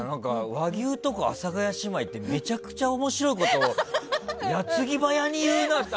和牛とか阿佐ヶ谷姉妹ってめちゃくちゃ面白いこと矢継ぎ早に言うなって。